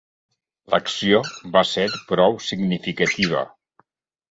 L'acció va ser prou significativa.